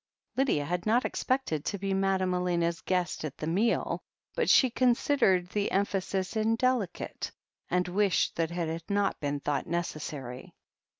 Lydia had not expected to be Madame Elena's g^est at the meal, but she considered the emphasis indelicate, and wished that it had not been thought necessary.